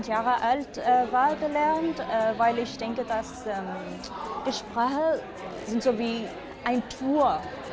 karena saya pikir bahwa poliglot adalah seperti sebuah perjalanan ke dunia